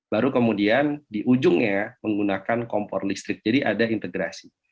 baru kemudian di ujungnya menggunakan kompor listrik jadi ada integrasi